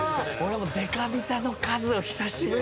デカビタのカズを久しぶり。